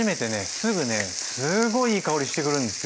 すぐねすごいいい香りしてくるんですよ。